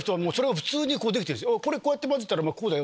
「これこうやって混ぜたらこうだよ！